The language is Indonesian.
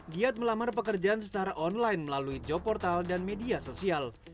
giat melamar pekerjaan secara online melalui job portal dan media sosial